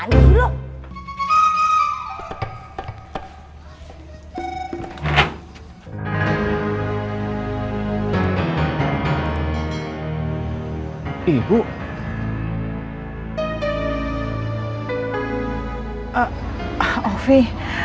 kamu mau berubah